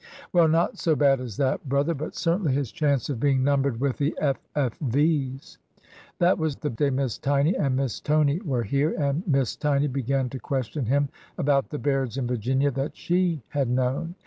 " Well, not so bad as that, brother ; but certainly his chance of being numbered with the F. F. V.'s. That was the day Miss Tiny and Miss Tony were here, and Miss Tiny began to question him about the Bairds in Virginia that she had known.